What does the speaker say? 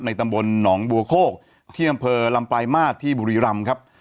ตำบลหนองบัวโคกที่อำเภอลำปลายมาสที่บุรีรำครับ